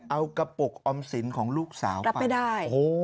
เอากระปุกออมสินของลูกสาวกลับไปได้